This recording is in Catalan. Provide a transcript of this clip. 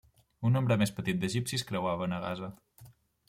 Un nombre més petit d'egipcis creuaven a Gaza.